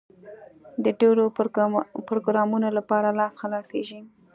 د ډېرو پروګرامونو لپاره لاس خلاصېږي.